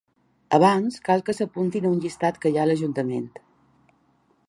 Abans, cal que s’apuntin a un llistat que hi ha a l’ajuntament.